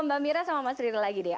mbak mira sama mas riri lagi deh